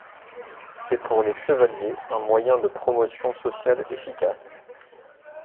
C'est pour les chevaliers un moyen de promotion sociale efficace.